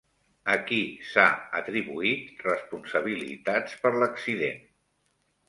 A qui s'ha atribuït responsabilitats per l'accident?